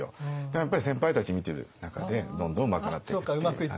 やっぱり先輩たち見ている中でどんどんうまくなっていくっていう感じですね。